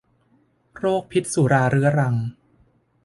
โรคพิษสุราเรื้อรัง